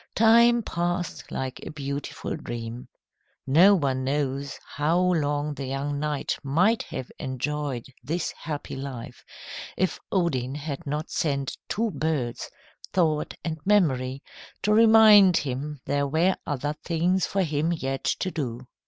Time passed like a beautiful dream. No one knows how long the young knight might have enjoyed this happy life if Odin had not sent two birds, Thought and Memory, to remind him there were other things for him yet to do.